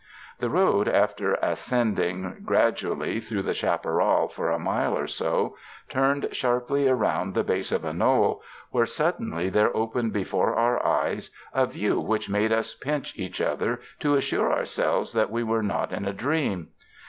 The road, after ascending gradually through the 118 SPRING DAYS IN A CARRIAGE chaparral for a mile or so, turned sharply around the base of a knoll where suddenly there opened be fore our eyes a view which made us pinch each other to assure ourselves that we were not in a dream.